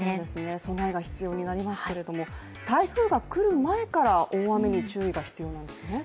備えが必要になりますけれども台風が来る前から大雨に注意が必要なんですね。